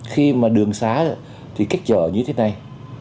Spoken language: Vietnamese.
khi mà đường xá thì cách chợ như thế này